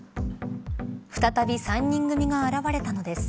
再び３人組が現れたのです。